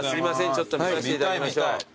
ちょっと見させていただきましょう。